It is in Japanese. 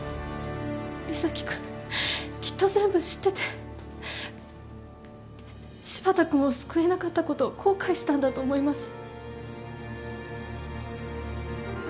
三崎君きっと全部知ってて柴田君を救えなかったことを後悔したんだと思います。